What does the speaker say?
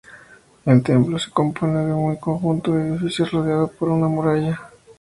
El templo se compone de un conjunto de edificios rodeado por una muralla.